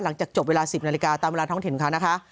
หลังจากจบเวลา๑๐นาฬิกาตามเวลาท้องถิ่นเขานะคะ